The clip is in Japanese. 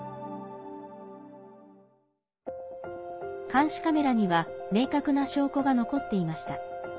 監視カメラには明確な証拠が残っていました。